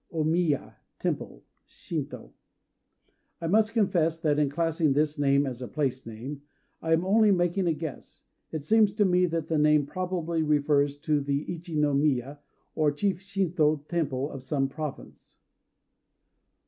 O Miya "Temple" [Shintô]. I must confess that in classing this name as a place name, I am only making a guess. It seems to me that the name probably refers to the ichi no miya, or chief Shintô temple of some province.